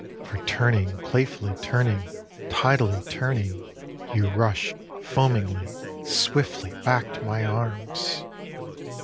For turning, playfully turning, tidally turning, You rush foamingly, swiftly back to my arms!